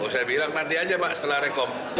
saya bilang nanti aja pak setelah rekom